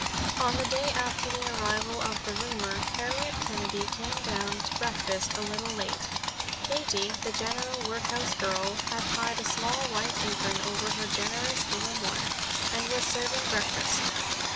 On the day after the arrival of the roomer, Harriet Kennedy came down to breakfast a little late. Katie, the general housework girl, had tied a small white apron over her generous gingham one, and was serving breakfast.